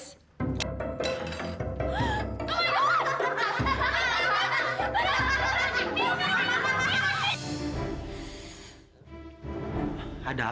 pika pika khasnya pedas